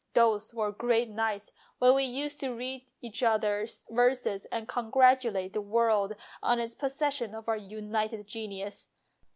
Those were great nights when we used to read each other's verses and congratulate the world on its possession of our united genius.